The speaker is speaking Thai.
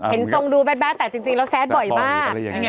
เห็นส่งดูแบดแต่จริงแล้วแซสบ่อยมาก